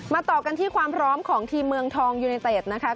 ต่อกันที่ความพร้อมของทีมเมืองทองยูเนเต็ดนะคะ